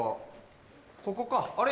ここかあれ？